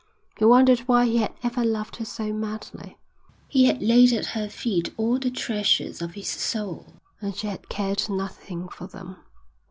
He wondered why he had ever loved her so madly. He had laid at her feet all the treasures of his soul, and she had cared nothing for them.